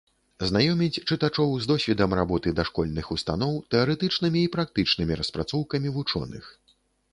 Знаёміць чытачоў з досведам работы дашкольных устаноў, тэарэтычнымі і практычнымі распрацоўкамі вучоных.